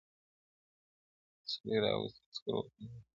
o سړی راوستی عسکرو و قاضي ته,